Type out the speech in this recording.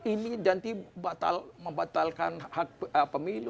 ini ganti membatalkan hak pemilu